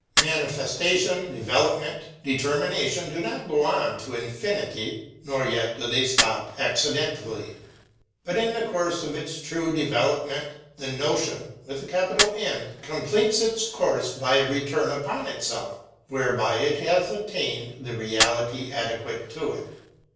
Manifestation, development, determination do not go on to infinity, nor yet do they stop accidentally. But in the course of its true development the Notion completes its course by a return upon itself, whereby it has attained the reality adequate to it.